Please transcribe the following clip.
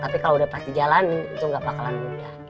tapi kalau udah pasti jalanin itu gak bakalan mudah